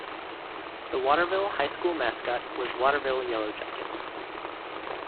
The Waterville High School mascot was Waterville Yellow Jackets.